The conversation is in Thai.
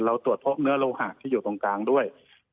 ตรวจพบเนื้อโลหะที่อยู่ตรงกลางด้วย